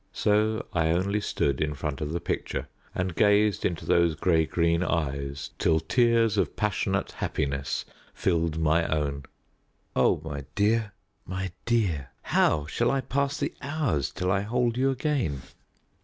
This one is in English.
So I only stood in front of the picture and gazed into those grey green eyes till tears of passionate happiness filled my own. "Oh, my dear, my dear, how shall I pass the hours till I hold you again?"